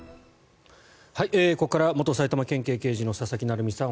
ここから元埼玉県警刑事の佐々木成三さん